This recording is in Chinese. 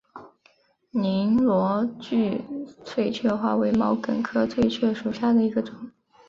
拟螺距翠雀花为毛茛科翠雀属下的一个种。